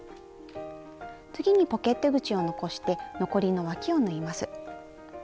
次にポケット口を残して残りのわきを縫います。